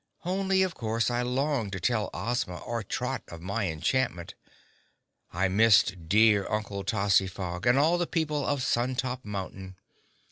Only, of course, I longed to tell Ozma or Trot of my enchantment. I missed dear Uncle Tozzyfog and all the people of Sun Top Mountain.